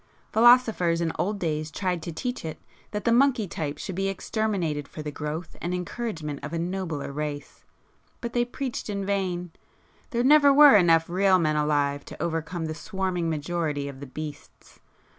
Philosophers in old days tried to teach it that the monkey type should be exterminated for the growth and encouragement of a nobler race,—but they preached in vain—there never were enough real men alive to overcome the swarming majority of the beasts.